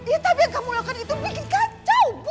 ya tapi yang kamu lakukan itu bikin kacau bu